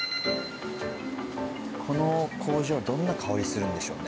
この工場どんな香りするんでしょうね？